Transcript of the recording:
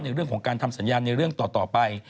เรื่องของการทำสัญญาณในเรื่องต่อไป